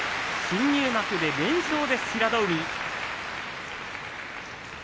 新入幕で連勝です、平戸海。